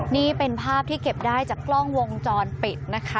นี่เป็นภาพที่เก็บได้จากกล้องวงจรปิดนะคะ